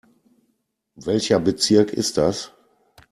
Welcher Bezirk ist das?